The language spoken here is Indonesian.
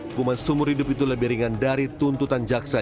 hukuman seumur hidup itu lebih ringan dari tuntutan jaksa